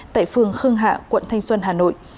tại phường khương hạ quận thanh xuân hà nội